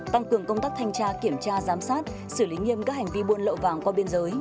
tăng cường công tác thanh tra kiểm tra giám sát xử lý nghiêm các hành vi buôn lậu vàng qua biên giới